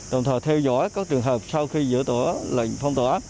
đồng thời theo dõi các trường hợp sau khi giữa tổ lệnh phong tỏa